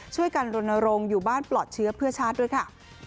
ช่วยกันโดนโรงอยู่บ้านปลอดเชื้อเพื่อชาร์จด้วยค่ะ